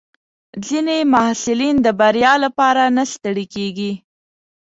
ځینې محصلین د بریا لپاره نه ستړي کېږي.